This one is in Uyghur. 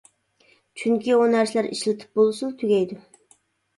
چۈنكى ئۇ نەرسىلەر ئىشلىتىپ بولسىلا تۈگەيدۇ.